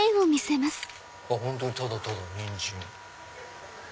本当にただただニンジン。